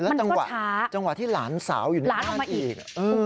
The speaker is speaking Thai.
จังหวะจังหวะที่หลานสาวอยู่ในบ้านอีก